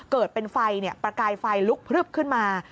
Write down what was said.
เกิดเป็นไฟประกายไฟลุกพลึบขึ้นมา